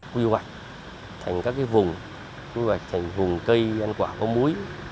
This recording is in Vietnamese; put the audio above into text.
quy hoạch thành các cái vùng quy hoạch thành vùng cây ăn quả có muối